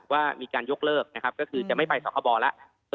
ว่ามีการยกเลิกจะไม่ไปสตบแล้ว